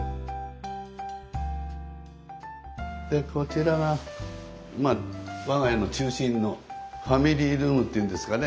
でこちらがまあ我が家の中心のファミリールームっていうんですかね